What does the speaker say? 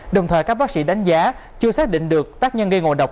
đồng thời các bác sĩ đánh giá chưa xác định được tác nhân gây ngộ độc